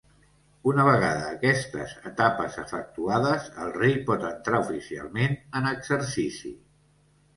Una vegada aquestes etapes efectuades, el rei pot entrar oficialment en exercici.